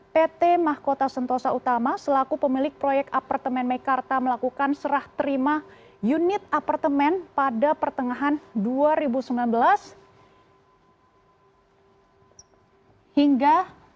pt mahkota sentosa utama selaku pemilik proyek apartemen mekarta melakukan serah terima unit apartemen pada pertengahan dua ribu sembilan belas hingga dua ribu dua puluh